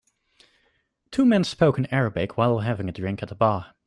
Two men spoke in Arabic while having a drink at the bar.